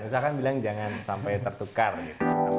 usah kan bilang jangan sampai tertukar gitu